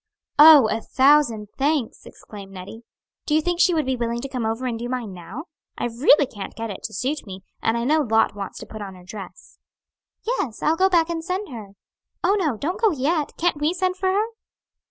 "Oh, a thousand thanks!" exclaimed Nettie. "Do you think she would be willing to come over and do mine now? I really can't get it to suit me, and I know Lot wants to put on her dress." "Yes, I'll go back and send her." "Oh, no; don't go yet; can't we send for her?"